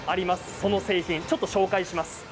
その製品ちょっと紹介します。